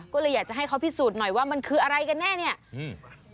ก็เลยอยากจะให้เขาพิสูจน์หน่อยว่ามันคืออะไรกันแน่เนี้ยอืม